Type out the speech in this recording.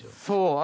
そう。